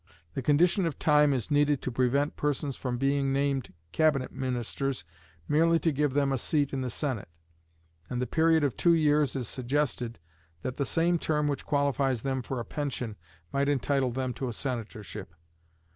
The condition of time is needed to prevent persons from being named cabinet ministers merely to give them a seat in the Senate; and the period of two years is suggested, that the same term which qualifies them for a pension might entitle them to a senatorship.